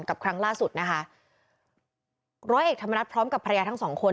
ครั้งล่าสุดนะคะร้อยเอกธรรมนัฐพร้อมกับภรรยาทั้งสองคน